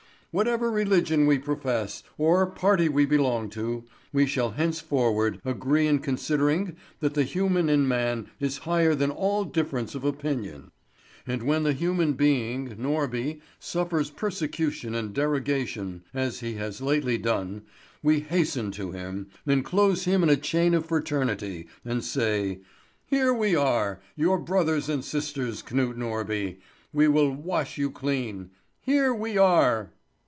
"Whatever religion we profess, or party we belong to, we shall henceforward agree in considering that the human in man is higher than all difference of opinion; and when the human being, Norby, suffers persecution and derogation, as he has lately done, we hasten to him, enclose him in a chain of fraternity, and say: 'Here are we, your brothers and sisters, Knut Norby; we will wash you clean. Here we are!'"